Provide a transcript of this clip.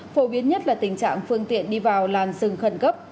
phổ biến nhất là tình trạng phương tiện đi vào làn rừng khẩn cấp